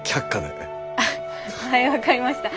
はい分かりました。